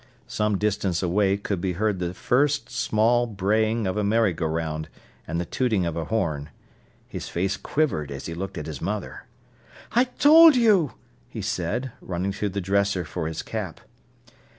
Some distance away could be heard the first small braying of a merry go round, and the tooting of a horn. His face quivered as he looked at his mother. "I told you!" he said, running to the dresser for his cap.